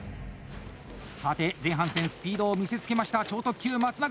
さて前半戦スピードを見せつけました超特急・松永！